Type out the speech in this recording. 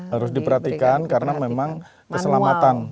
harus diperhatikan karena memang keselamatan